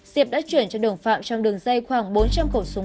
diệp đã chuyển cho đồng phạm trong đường dây khoảng bốn trăm linh khẩu súng